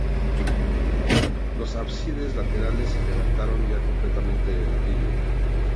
Los ábsides laterales se levantaron ya completamente en ladrillo.